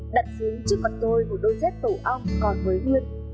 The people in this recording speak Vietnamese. đặt xuống trước mặt tôi một đôi giáp tổ ong còn mới huyên